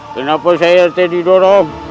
kenapa saya terdidorong